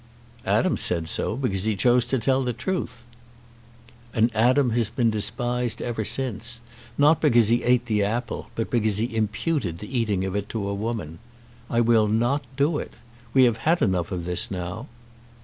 "Adam said so, because he chose to tell the truth." "And Adam has been despised ever since, not because he ate the apple, but because he imputed the eating of it to a woman. I will not do it. We have had enough of this now."